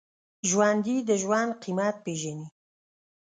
ژوندي د ژوند قېمت پېژني